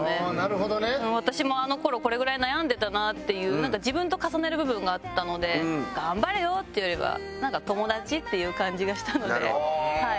私もあの頃これぐらい悩んでたなっていうなんか自分と重ねる部分があったので頑張れよ！っていうよりはなんか友達っていう感じがしたのでこの曲にしてみました。